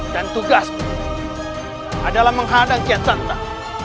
dan tugasmu adalah menghadang kian santan